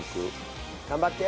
頑張って。